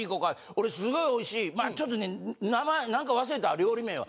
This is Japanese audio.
俺すごいおいしいまあちょっとね名前なんか忘れた料理名は。